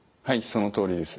そのとおりです。